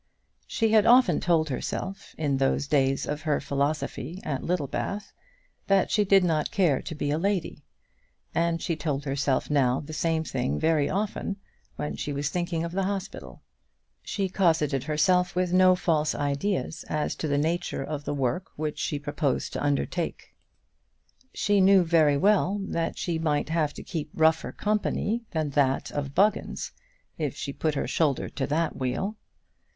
She had often told herself, in those days of her philosophy at Littlebath, that she did not care to be a lady; and she told herself now the same thing very often when she was thinking of the hospital. She cosseted herself with no false ideas as to the nature of the work which she proposed to undertake. She knew very well that she might have to keep rougher company than that of Buggins if she put her shoulder to that wheel.